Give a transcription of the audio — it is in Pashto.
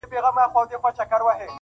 لوی او کم نارې وهلې په خنداوه -